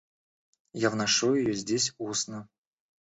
Я вношу ее здесь устно.